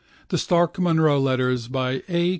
The Stark Munro Letters by A.